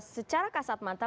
secara kasat mata